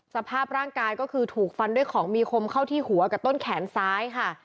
สภาพร่างกายก็คือถูกฟันด้วยของมีคมเข้าที่หัวกับต้นแขนซ้ายค่ะ